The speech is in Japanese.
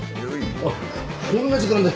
あっこんな時間だ。